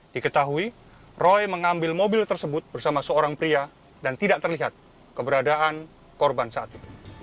diketahui roy mengambil mobil tersebut bersama seorang pria dan tidak terlihat keberadaan korban saat itu